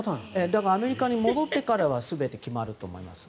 だからアメリカに戻ってから全て決まると思います。